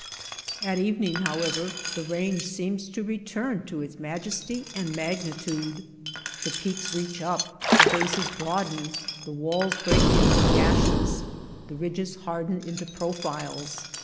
At evening, however, the range seems to re turn to its majesty and magnitude. The peaks reach up, the bases broaden, the walls break into gashes, the ridges harden into profiles.